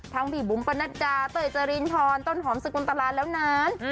ทั้งผีบุ้มปะนัดดาเต๋วจรินทรต้นหอมสกุลตรานแล้วนั้น